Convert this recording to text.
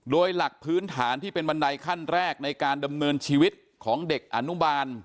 โดยหลักพื้นฐานที่เป็นบันไดขั้นแรกในการดำเนินชีวิตของเด็กอนุบาล